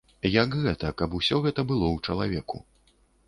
Як гэта, каб усё гэта было ў чалавеку.